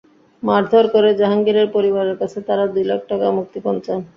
মারধর করে জাহাঙ্গীরের পরিবারের কাছে তাঁরা দুই লাখ টাকা মুক্তিপণ চান।